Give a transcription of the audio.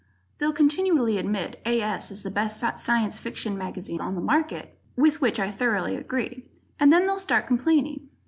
They'll continually admit A. S. is the best Science Fiction mag on the market (with which I thoroughly agree) and then they'll start complaining.